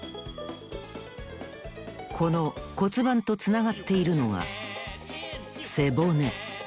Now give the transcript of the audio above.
この骨盤とつながっているのが背骨。